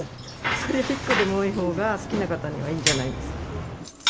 そりゃ１個でも多いほうが、好きな方にはいいんじゃないです